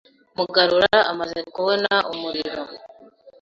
Mugarura amaze kubona umuriro,